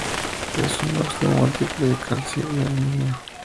Es un óxido múltiple de calcio y aluminio.